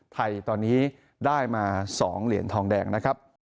ไทยตอนนี้ได้มา๒เหรียญทองแดงนะครับ